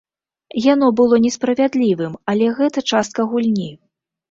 Яно было несправядлівым, але гэта частка гульні.